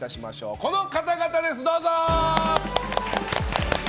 この方々です、どうぞ！